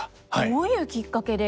どういうきっかけで？